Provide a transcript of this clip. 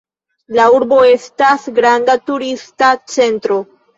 La urbo estas granda turista centro.